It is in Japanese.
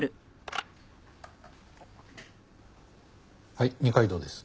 はい二階堂です。